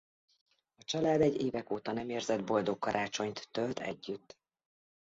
A család egy évek óta nem érzett boldog karácsonyt tölt együtt.